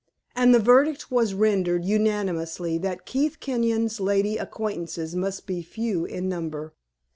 And the verdict was rendered unanimously that Keith Kenyon's lady acquaintances must be few in number.